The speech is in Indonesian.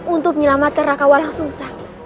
untuk menyelamatkan raka walang sungsang